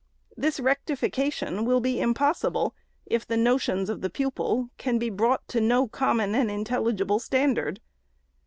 This rectification will be impossible, if the notions of the pupil can be brought to no common and intelligible standard.